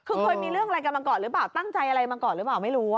คุณผู้ชมมีเรื่องอะไรกำลังกอดหรือเปล่าตั้งใจอะไรกำลังกอดหรือเปล่าไม่รู้